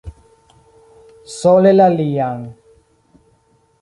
Sole la lian.